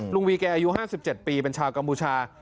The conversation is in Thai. วีแกอายุ๕๗ปีเป็นชาวกัมพูชา